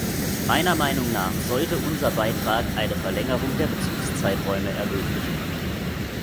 Meiner Meinung nach sollte unser Beitrag eine Verlängerung der Bezugszeiträume ermöglichen.